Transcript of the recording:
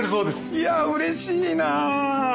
いやうれしいな。